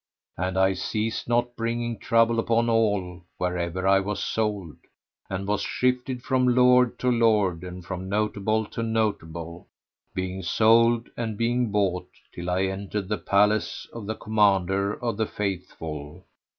And I ceased not bringing trouble upon all, wherever I was sold, and was shifted from lord to lord and from notable to notable, being sold and being bought, till I entered the palace of the Commander of the Faithful.